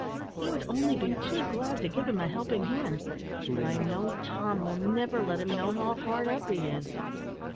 He would only be too glad to give him a helping hand; but I know Tom will never let him know how hard up he is.